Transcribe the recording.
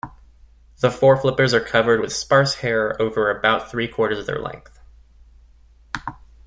The foreflippers are covered with sparse hair over about three-quarters of their length.